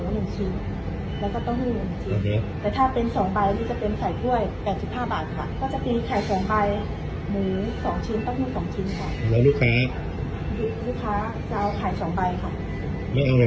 ไม่เอาอะไรอีกหรอไม่ไม่เอาค่ะน้ำก็ไม่เอาอ่าฮะ